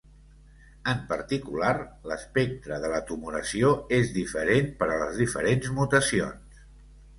En particular, l'espectre de la tumoració és diferent per a les diferents mutacions.